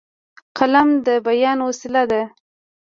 قلم د بیان وسیله ده.